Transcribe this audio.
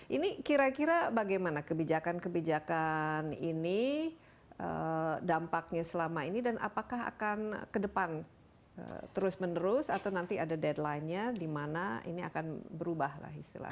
ini kira kira bagaimana kebijakan kebijakan ini dampaknya selama ini dan apakah akan ke depan terus menerus atau nanti ada deadline nya di mana ini akan berubah lah istilahnya